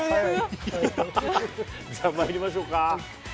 じゃあ、まいりましょうか。